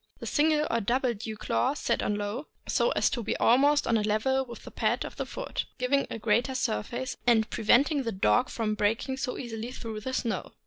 The single or double dew claws set on low, so as to be almost on a level with the pad of the foot, giving a greater surface, and preventing the dog from breaking so easily through the snow.